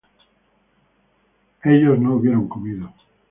ellos no hubieron comido